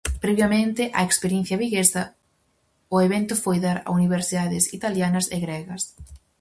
Previamente á experiencia viguesa, o evento foi dar a universidades italianas e gregas.